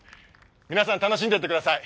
皆さん楽しんでってください。